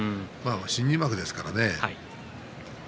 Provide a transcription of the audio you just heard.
新入幕ですから。